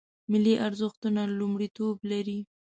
ملي ارزښتونه لومړیتوب لري